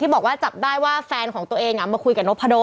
บอกว่าจับได้ว่าแฟนของตัวเองมาคุยกับนกพะโด